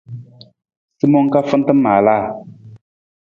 Simang ka fanta maalaa.